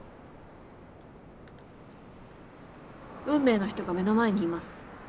運命の人が目の前にいます。